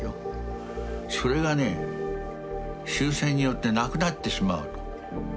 それがね終戦によってなくなってしまうと。